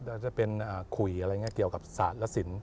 แล้วก็จะเป็นข่วยอะไรเงี้ยเกี่ยวกับศาสตร์และศิลป์